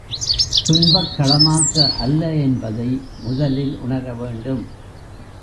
துன்பக் களமாக்க அல்ல என்பதை முதலில் உணர வேண்டும்.